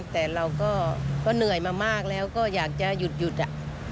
แต่เราก็เหนื่อยมามากแล้วก็อยากจะหยุดอะ